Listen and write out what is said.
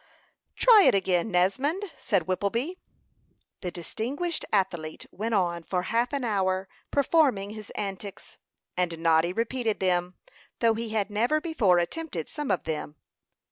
"Try it again, Nesmond," said Whippleby. The distinguished athlete went on for half an hour, performing his antics; and Noddy repeated them, though he had never before attempted some of them.